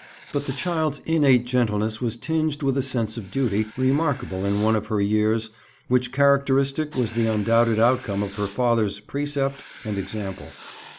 But the child's innate gentleness was tinged with a sense of duty remarkable in one of her years, which characteristic was the undoubted outcome of her father's precept and example.